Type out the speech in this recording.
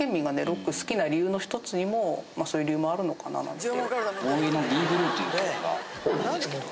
ロック好きな理由のひとつにもそういう理由もあるのかななんて。